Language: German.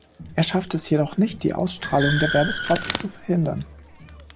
Er schafft es jedoch nicht, die Ausstrahlung der Werbespots zu verhindern.